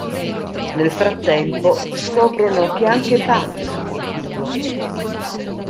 Nel frattempo scoprono che anche Pac è vivo.